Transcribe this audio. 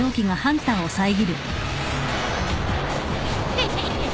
ヘヘヘ。